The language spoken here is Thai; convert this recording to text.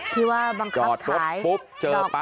ที่ว่าบังคับขายจอดรถปุ๊บเจอปั๊บ